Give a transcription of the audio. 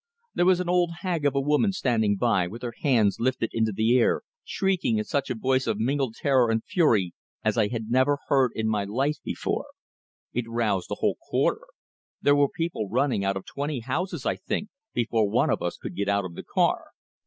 There was an old hag of a woman standing by, with her hands lifted into the air, shrieking in such a voice of mingled terror and fury as I had never heard in my life before. It roused the whole quarter; there were people running out of twenty houses, I think, before one of us could get out of the car.